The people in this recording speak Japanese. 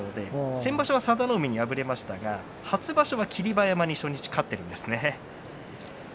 先場所は佐田の海に敗れましたがその前、霧馬山に初日勝ったんですね。